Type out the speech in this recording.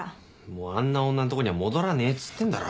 もうあんな女のとこには戻らねえっつってんだろ。